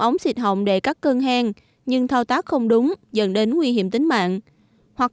ống xịt hộng để cắt cơn hèn nhưng thao tác không đúng dần đến nguy hiểm tính mạng hoặc